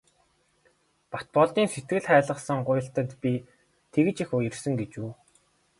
Батболдын сэтгэл хайлгасан гуйлтад би тэгж их уярсан гэж үү.